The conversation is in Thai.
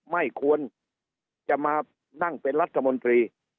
ไม่ควรจะมานั่งเป็นรัฐมนตรี